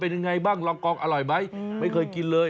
เป็นยังไงบ้างลองกองอร่อยไหมไม่เคยกินเลย